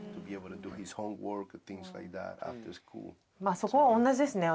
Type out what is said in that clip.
あそこは同じですね